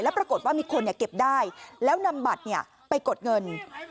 แล้วปรากฏว่ามีคนเนี่ยเก็บได้แล้วนำบัตรเนี่ยไปกดเงิน